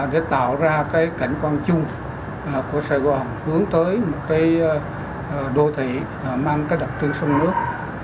để tạo ra cảnh quan chung của sài gòn hướng tới một đô thị mang đặc trưng sông nước